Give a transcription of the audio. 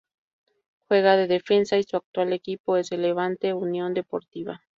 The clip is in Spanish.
Juega de defensa y su actual equipo es el Levante Unión Deportiva.